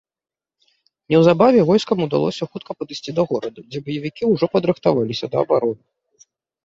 Неўзабаве войскам удалося хутка падысці да горада, дзе баевікі ўжо падрыхтаваліся да абароны.